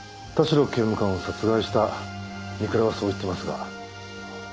田代刑務官を殺害した美倉はそう言ってますが。